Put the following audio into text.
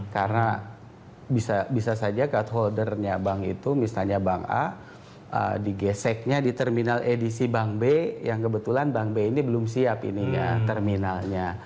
karena bisa saja card holdernya bank itu misalnya bank a digeseknya di terminal edisi bank b yang kebetulan bank b ini belum siap ini ya terminalnya